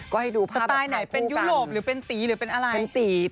ก็ให้ดูภาพแบบผ่านคู่กันสไตล์ไหนเป็นยุโรปหรือเป็นตีหรือเป็นอะไร